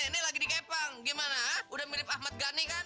ini lagi dikepang gimana udah mirip ahmad gani kan